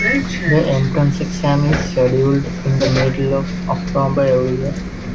The entrance exam is scheduled in the middle of October every year.